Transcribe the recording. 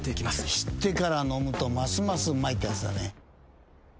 知ってから飲むとますますうまいってやつだね。